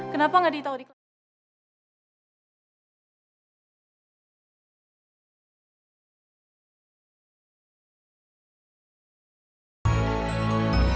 kenapa gak di tau dikauin